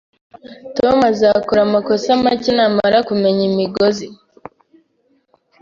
Tom azakora amakosa make namara kumenya imigozi.